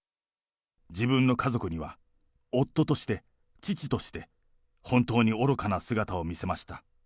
自分の家族には夫として、父として、本当に愚かな姿を見せました。